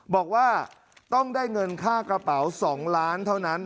บอกว่าต้องได้เงินค่ากระเป๋า๒ล้านเท่านั้น